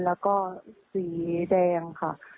แล้วก็สีแดงค่ะ